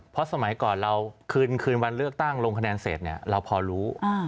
เพราะสมัยก่อนเราคืนวันเลือกตั้งลงคะแนนเสร็จเราพอรู้